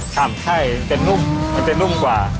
ชำใช่มันจะนุ่มกว่า